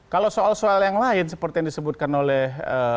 kalau soal soal yang lain seperti yang disebutkan oleh